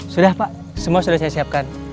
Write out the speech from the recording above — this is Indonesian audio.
sudah pak semua sudah saya siapkan